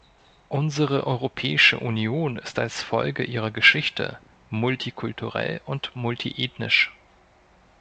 Unsere Europäische Union ist als Folge ihrer Geschichte multikulturell und multiethnisch.